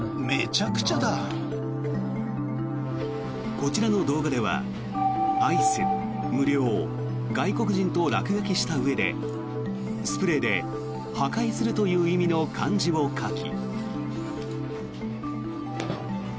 こちらの動画では「アイス」、「無料」「外国人」と落書きしたうえでスプレーで「破壊する」という意味の漢字を書き。